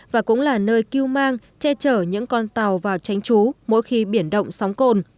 và cũng là nơi cứu mang che chở những con tàu vào tránh trú mỗi khi biển động sóng cồn